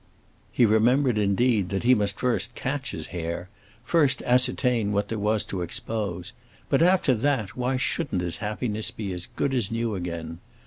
He remembered indeed that he must first catch his hare—first ascertain what there was to expose; but after that, why shouldn't his happiness be as good as new again?